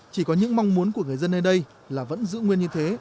chỉ có những mong muốn của người dân nơi đây là vẫn giữ nguyên như thế